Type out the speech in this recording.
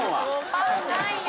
パンないよ。